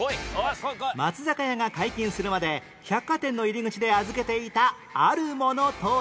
松坂屋が解禁するまで百貨店の入り口で預けていたあるものとは？